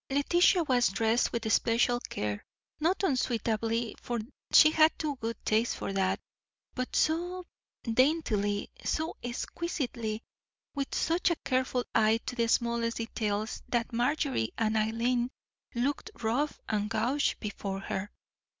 Letitia was dressed with special care, not unsuitably, for she had too good taste for that; but so daintily, so exquisitely, with such a careful eye to the smallest details that Marjorie and Eileen looked rough and gauche beside her.